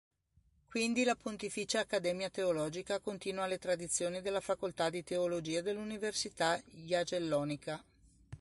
Quindi la Pontificia accademia teologica continua le tradizioni della facoltà di teologia dell'Università Jagellonica.